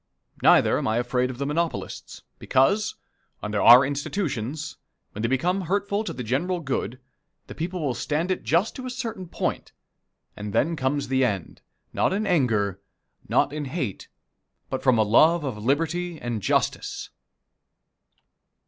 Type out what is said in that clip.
Neither am I afraid of the monopolists, because, under our institutions, when they become hurtful to the general good, the people will stand it just to a certain point, and then comes the end not in anger, not in hate, but from a love of liberty and justice.